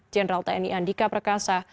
jenderal tni andika perkasa